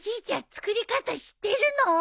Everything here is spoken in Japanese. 作り方知ってるの？